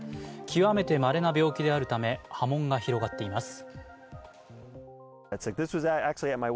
極めてまれな病気であるため波紋が広がっています。